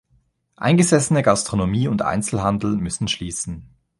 Eingesessene Gastronomie und Einzelhandel müssen schließen.